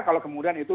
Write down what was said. kalau kemudian itu